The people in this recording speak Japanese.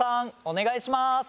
お願いします。